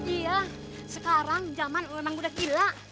iya sekarang zaman lu emang udah gila